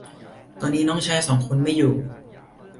ตอนนี้น้องชายสองคนไม่อยู่